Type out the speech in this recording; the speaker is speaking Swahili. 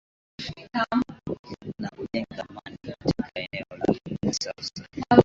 na kujenga amani katika eneo la Cauca